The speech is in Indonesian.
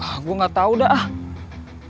wah gue nggak tahu dah ah